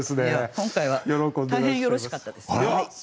今回は大変よろしかったです。